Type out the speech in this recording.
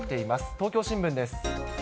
東京新聞です。